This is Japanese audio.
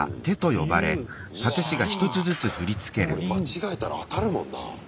うわこれ間違えたら当たるもんな。